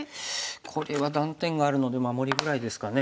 これは断点があるので守りぐらいですかね。